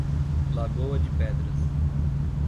Lagoa de Pedras